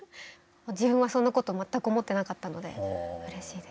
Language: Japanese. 自分はそんなこと全く思ってなかったのでうれしいです。